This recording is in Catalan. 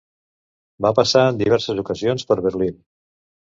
Va passar en diverses ocasions per Berlín.